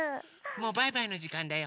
もうバイバイのじかんだよ。